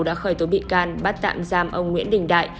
đã khởi tố bị can bắt tạm giam ông nguyễn đình đại